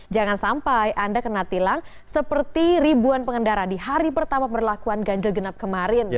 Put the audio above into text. jangan sampai anda kena tilang seperti ribuan pengendara di hari pertama pemberlakuan ganjil genap kemarin